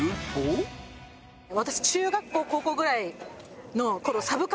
私。